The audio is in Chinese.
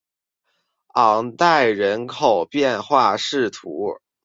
昂代人口变化图示